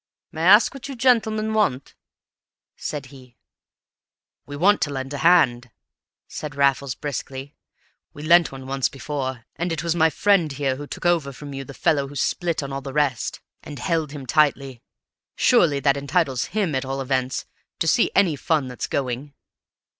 "May I ask what you gentlemen want?" said he. "We want to lend a hand," said Raffles briskly. "We lent one once before, and it was my friend here who took over from you the fellow who split on all the rest, and held him tightly. Surely that entitles him, at all events, to see any fun that's going?